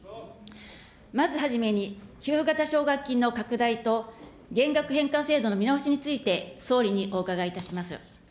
まずはじめに、給付型奨学金の拡大と、減額返還制度の見直しについて、総理にお伺いいたします。